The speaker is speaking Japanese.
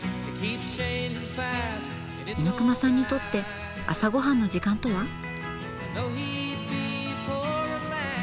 猪熊さんにとって朝ごはんの時間とは？